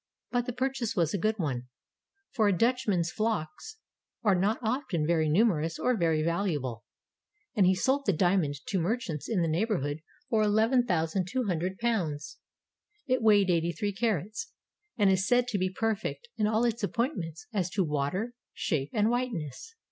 But the pur chase was a good one, — for a Dutchman's flocks are not often very numerous or very valuable, — and he sold the diamond to merchants in the neighborhood for £11,200. It weighed 83 carats, and is said to be perfect in all its appointments as to water, shape, and whiteness.